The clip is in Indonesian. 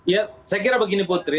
ya saya kira begini putri